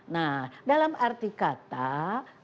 nah dalam arti kata